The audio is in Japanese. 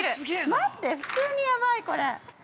◆待って、普通にヤバい、これ。